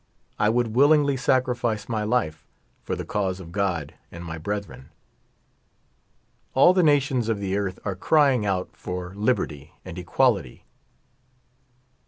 I iroald frillingly sacrifice my life for the rniM*' nf (hj«1 himJ my brethren. All (h« nations of the earth are crying out for lib «Ttv nnd t^uAJity.